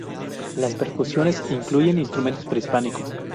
Las percusiones incluyen instrumentos prehispánicos.